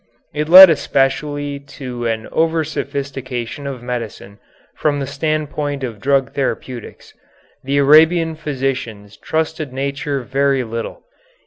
It led especially to an oversophistication of medicine from the standpoint of drug therapeutics. The Arabian physicians trusted nature very little.